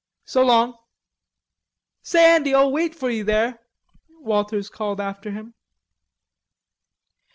So long." "Say, Andy, I'll wait for you there," Walters called after him.